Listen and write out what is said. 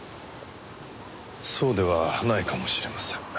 そうではないかもしれません。